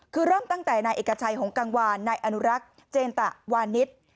คือเริ่มตั้งแต่นายเอกชัยหงกังวานนายอนุรักษ์เจนตะวานิส